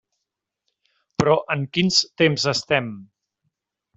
Però en quins temps estem?